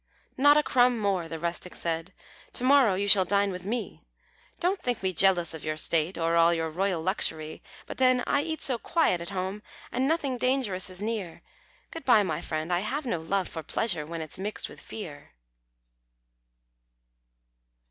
"Not a crumb more," the rustic said; "To morrow you shall dine with me; Don't think me jealous of your state, Or all your royal luxury; "But then I eat so quiet at home, And nothing dangerous is near; Good bye, my friend, I have no love For pleasure when it's mixed with fear."